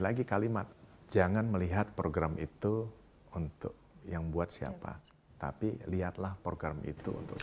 lagi kalimat jangan melihat program itu untuk yang buat siapa tapi lihatlah program itu untuk